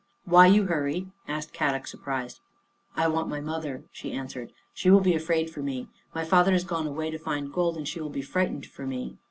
" Why you hurry? " asked Kadok, surprised. " I want my mother," she answered. u She will be afraid for me. My father has gone away to find gold and she will be frightened for me."